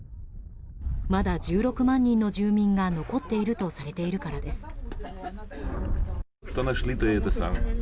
まだ１６万人の住民が残っているとされているからです。